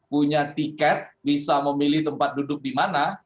punya tiket bisa memilih tempat duduk di mana